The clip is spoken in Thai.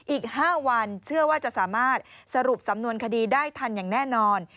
อีก๕วันเชื่อว่าจะสามารถสรุปสำนวนคดีได้ทันอย่างแน่นอน